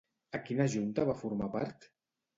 A quina junta va formar part?